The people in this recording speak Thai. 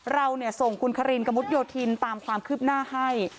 เราส่งคุณคารินกระมุดโยธินตามความคืบหน้าให้